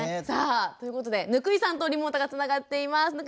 さあということで貫井さんとリモートがつながっています。